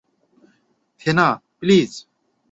থেনা, please.